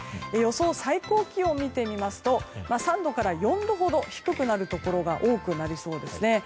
最高気温を見てみますと３度から４度ほど低くなるところが多くなりそうですね。